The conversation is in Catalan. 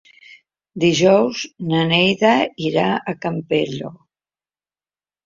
Dijous na Neida irà al Campello.